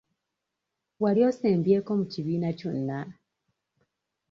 Wali osembyeko mu kibiina kyonna?